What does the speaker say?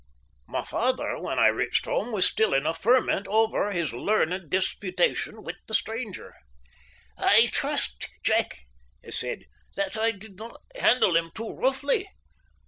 My father, when I reached home, was still in a ferment over his learned disputation with the stranger. "I trust, Jack," he said, "that I did not handle him too roughly.